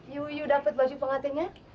yuu dapet baju pengantennya